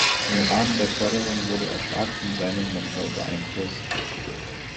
Im Rahmen der Förderung wurde er stark von seinem Mentor beeinflusst.